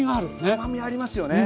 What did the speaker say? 甘みありますよね。